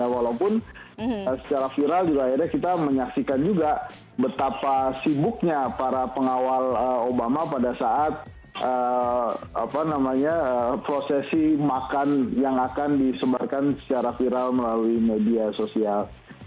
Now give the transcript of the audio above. walaupun secara viral juga akhirnya kita menyaksikan juga betapa sibuknya para pengawal obama pada saat prosesi makan yang akan disebarkan secara viral melalui media sosial